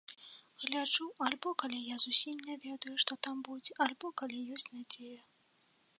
Гляджу альбо калі я зусім не ведаю, што там будзе, альбо калі ёсць надзея.